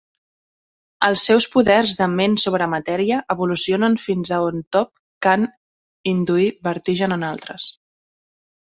Els seus poders de "ment-sobre-matèria" evolucionen fins a on Top can induir vertigen en altres.